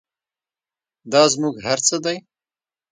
دا زموږ هر څه دی؟